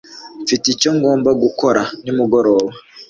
Mfite icyo ngomba gukora nimugoroba.